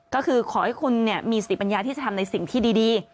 ก็คือขอให้คุณมีสติปัญญาที่จะทำในสิ่งที่ดี